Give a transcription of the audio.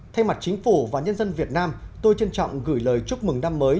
thay mặt chính phủ và nhân dân việt nam tôi trân trọng gửi lời chúc mừng năm mới